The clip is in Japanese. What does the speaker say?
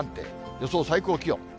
予想最高気温。